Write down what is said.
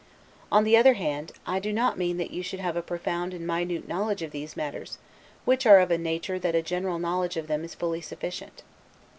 On the other hand, I do not mean that you should have a profound and minute knowledge of these matters, which are of a nature that a general knowledge of them is fully sufficient.